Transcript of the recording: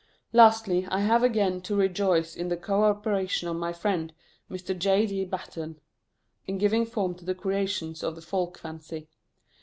Lastly, I have again to rejoice in the co operation of my friend, Mr. J. D. Batten, in giving form to the creations of the folk fancy.